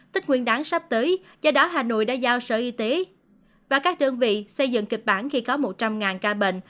tích nguyên đáng sắp tới do đó hà nội đã giao sở y tế và các đơn vị xây dựng kịch bản khi có một trăm linh ca bệnh